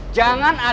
jangan ada yang mau